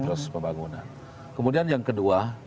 proses pembangunan kemudian yang kedua